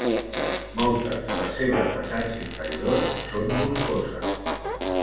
Moltes de les seves vessants inferiors són boscoses.